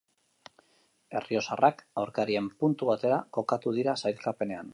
Errioxarrak aurkarien puntu batera kokatu dira sailkapenean.